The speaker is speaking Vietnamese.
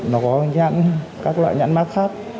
nó có các loại nhãn mát khác